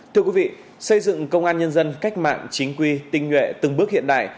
thưa quý vị xây dựng công an nhân dân cách mạng chính quy tinh nhuệ từng bước hiện đại